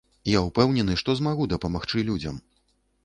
Я ўпэўнены, што змагу дапамагчы людзям.